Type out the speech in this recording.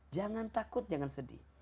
jangan takut jangan sedih